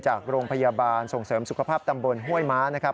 จากโรงพยาบาลส่งเสริมสุขภาพตำบลห้วยม้านะครับ